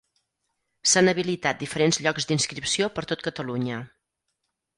S'han habilitat diferents llocs d'inscripció per tot Catalunya.